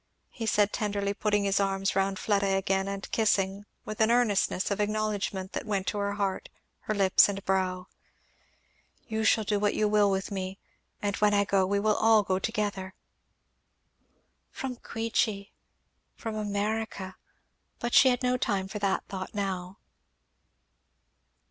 he said tenderly, putting his arms round Fleda again and kissing, with an earnestness of acknowledgment that went to her heart, her lips and brow, "you shall do what you will with me; and when I go, we will all go together." From Queechy! From America! But she had no time for that thought now.